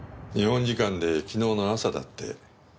日本時間で昨日の朝だって。